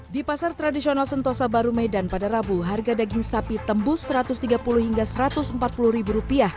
di pasar tradisional sentosa baru medan pada rabu harga daging sapi tembus rp satu ratus tiga puluh hingga rp satu ratus empat puluh